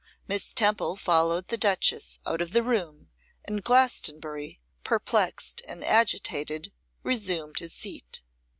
Miss Temple followed the duchess out of the room, and Glastonbury, perplexed and agitated, resumed his seat.